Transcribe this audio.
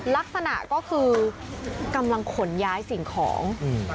ลักษณะก็คือกำลังขนย้ายสิ่งของอืม